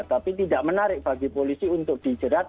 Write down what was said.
tapi tidak menarik bagi polisi untuk dijerat